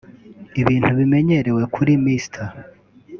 ibintu bimenyerewe kuri Mr